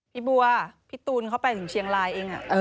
พี่บัวพี่ตูนเขาไปถึงเชียงรายเอง